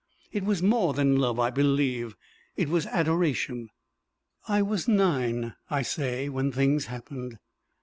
It was more than love, I believe. It was adoration. I was nine, I say, when things happened.